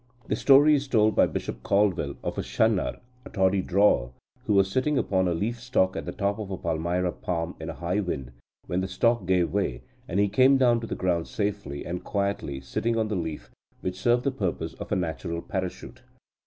The story is told by Bishop Caldwell of a Shanar (toddy drawer) who was sitting upon a leaf stalk at the top of a palmyra palm in a high wind, when the stalk gave way, and he came down to the ground safely and quietly sitting on the leaf, which served the purpose of a natural parachute.